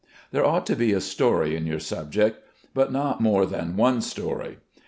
There ought to be a story in your subject, but not more than one story.